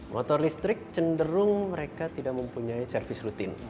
motor listrik cenderung mereka tidak mempunyai servis rutin